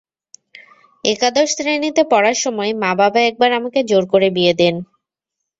একাদশ শ্রেণীতে পড়ার সময় মা-বাবা একবার আমাকে জোর করে বিয়ে দেন।